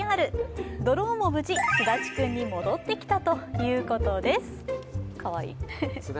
ドローンも無事、すだちくんに戻ってきたということです。